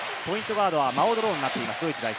ガードはマオド・ローになっています。